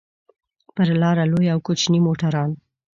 پر لاره لوی او کوچني موټران.